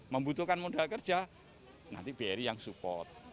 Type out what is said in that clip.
membutuhkan modal kerja nanti bri yang support